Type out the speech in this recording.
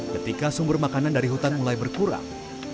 ketika sumber makanan dari hutan mulai berkurang